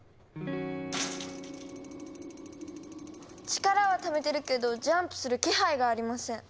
力はためてるけどジャンプする気配がありません。